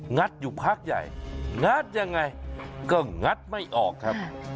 อยู่พักใหญ่งัดยังไงก็งัดไม่ออกครับ